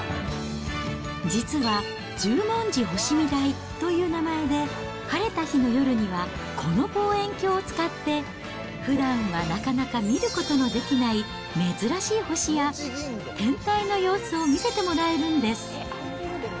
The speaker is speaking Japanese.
実は、十文字星見台という名前で、晴れた日の夜には、この望遠鏡を使ってふだんはなかなか見ることのできない珍しい星や天体の様子を見せてもらえるんです。